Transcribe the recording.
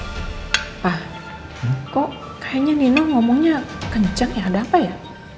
wah kok kayaknya nino ngomongnya kencang ya ada apa ya